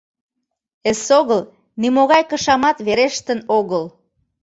Эсогыл нимогай кышамат верештын огыл...